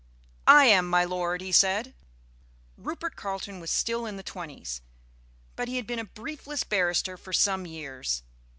"I am, my Lord," he said. Rupert Carleton was still in the twenties, but he had been a briefless barrister for some years.